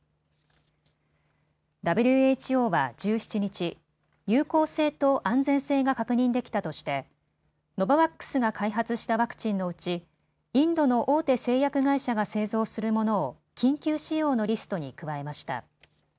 ＷＨＯは１７日、有効性と安全性が確認できたとしてノババックスが開発したワクチンのうちインドの大手製薬会社が製造するものを緊急使用のリストに加えました。